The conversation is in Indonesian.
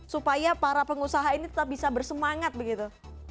supaya para pengusaha ini tetap bisa bersemangat begitu